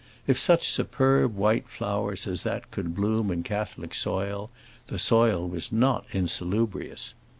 If such superb white flowers as that could bloom in Catholic soil, the soil was not insalubrious.